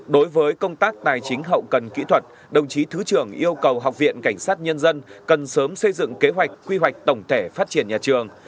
đối với công tác tài chính hậu cần kỹ thuật đồng chí thứ trưởng yêu cầu học viện cảnh sát nhân dân cần sớm xây dựng kế hoạch quy hoạch tổng thể phát triển nhà trường